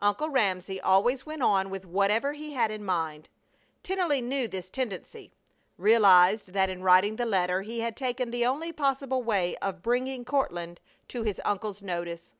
Uncle Ramsey always went on with whatever he had in mind. Tennelly knew this tendency, realized that in writing the letter he had taken the only possible way of bringing Courtland to his uncle's notice.